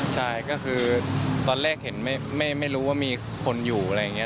ใช่ก็คือตอนแรกเห็นไม่รู้ว่ามีคนอยู่อะไรอย่างนี้